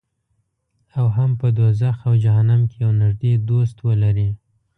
او هم په دوزخ او جهنم کې یو نږدې دوست ولري.